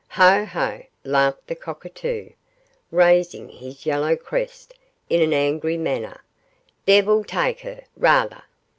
'Ho, ho!' laughed the cockatoo, raising his yellow crest in an angry manner; 'devil take her rather!